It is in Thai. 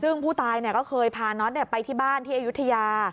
ซึ่งผู้ตายก็เคยพาน็อตไปที่บ้านที่อายุทยา